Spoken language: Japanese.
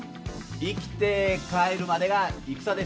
生きて帰るまでが戦です！